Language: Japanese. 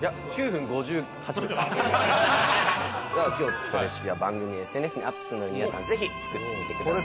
さあ今日作ったレシピは番組ＳＮＳにアップするので皆さんぜひ作ってみてください。